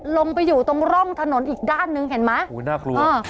ลงไปอยู่ตรงร่องถนนอีกด้านหนึ่งเห็นไหมโอ้โหน่ากลัว